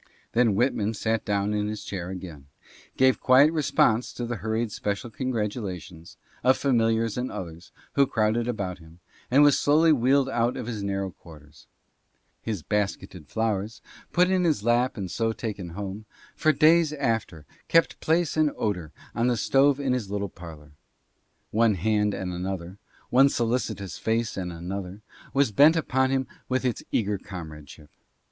Then Whit man sat down in his chair again, gave quiet response to the hur ried special congratulations of familiars and others who crowded about him, and was slowly wheeled out of his narrow quarters. "RECORDERS AGES HENCE." 15 His basketed flowers, put in his lap and so taken home, for days after kept place and odor on the stove in his little parlor. One hand and another, one solicitous face and another, was bent upon him with its eager comradeship.